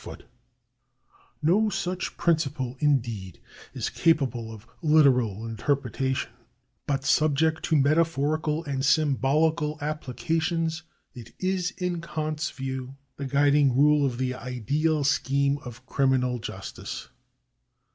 ^ No such principle, indeed, is capable of literal interpretation ; but sub ject to metaphorical and symbolical applications it is in Kant's view the guiding rule of the ideal scheme of criminal justice.